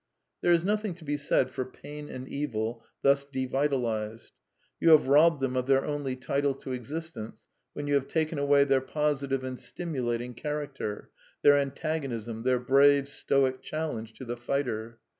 There is nothing to be said for pain and evil, thus de vitalized. You have robbed them of their only title to existence when you have taken, away their positive and stimulating character, their antagonism, their brave, stoic challenge to the fighter.